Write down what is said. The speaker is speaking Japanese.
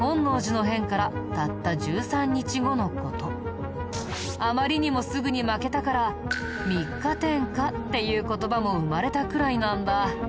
それはあまりにもすぐに負けたから「三日天下」っていう言葉も生まれたくらいなんだ。